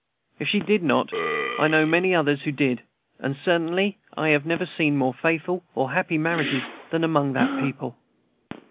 If she did not, I know many others who did, and certainly I have never seen more faithful or more happy marriages than among that people.